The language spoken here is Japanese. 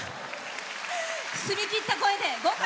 澄み切った声で合格。